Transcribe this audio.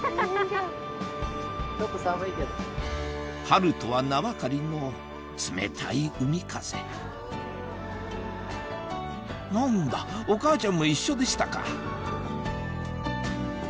・ちょっと寒いけど・春とは名ばかりの冷たい海風何だお母ちゃんも一緒でしたか